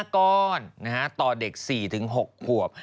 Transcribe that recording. ๕ก้อนต่อเด็ก๔๖ขวบ